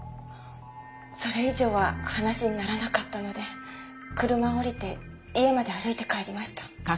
それ以上は話にならなかったので車を降りて家まで歩いて帰りました。